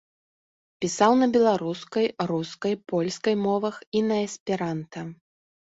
Пісаў на беларускай, рускай, польскай мовах і на эсперанта.